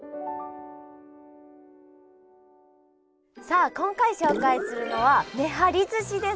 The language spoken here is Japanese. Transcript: さあ今回紹介するのはめはりずしです。